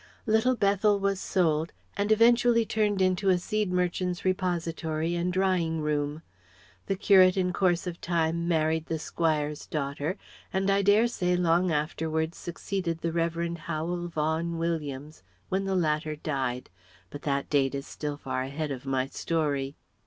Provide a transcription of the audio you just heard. Little Bethel was sold and eventually turned into a seed merchant's repository and drying room. The curate in course of time married the squire's daughter and I dare say long afterwards succeeded the Revd. Howel Vaughan Williams when the latter died but that date is still far ahead of my story.